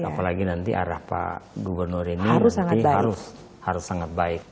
apalagi nanti arah pak gubernur ini harus sangat baik